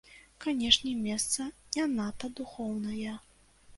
Канешне, месца не надта духоўнае.